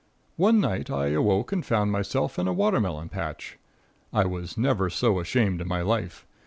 One night I awoke and found myself in a watermelon patch. I was never so ashamed in my life.